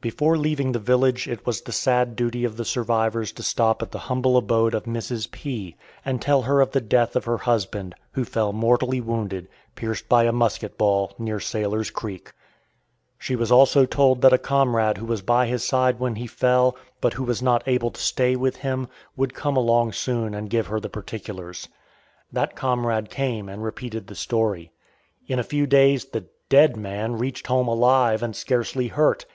Before leaving the village it was the sad duty of the survivors to stop at the humble abode of Mrs. P., and tell her of the death of her husband, who fell mortally wounded, pierced by a musket ball, near Sailor's Creek. She was also told that a comrade who was by his side when he fell, but who was not able to stay with him, would come along soon and give her the particulars. That comrade came and repeated the story. In a few days the "dead man" reached home alive and scarcely hurt.